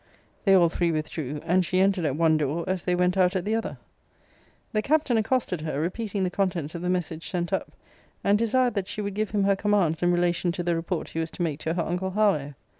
They all three withdrew; and she entered at one door, as they went out at the other. The Captain accosted her, repeating the contents of the message sent up; and desired that she would give him her commands in relation to the report he was to make to her uncle Harlowe.